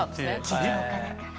起業家だから。